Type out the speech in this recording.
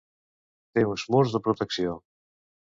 Té uns murs de protecció.